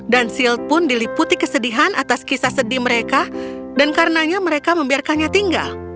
dan silt pun diliputi kesedihan atas kisah sedih mereka dan karenanya mereka membiarkannya tinggal